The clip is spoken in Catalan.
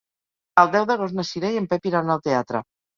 El deu d'agost na Cira i en Pep iran al teatre.